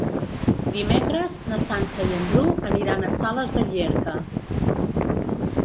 Dimecres na Sança i en Bru aniran a Sales de Llierca.